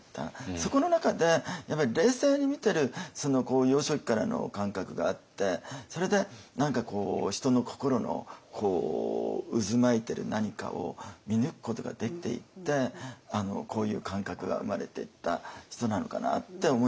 そこの中で冷静に見てる幼少期からの感覚があってそれで何かこう人の心の渦巻いてる何かを見抜くことができていってこういう感覚が生まれていった人なのかなって思いましたよね。